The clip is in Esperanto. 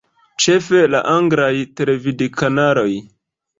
Ĉefe la anglaj televidkanaloj.